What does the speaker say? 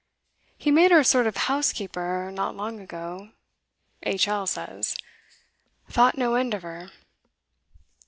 He made her a sort of housekeeper not long ago, H. L. says; thought no end of her.